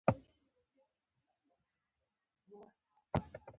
د ارسطو پخه خبره باید هېره نه کړو.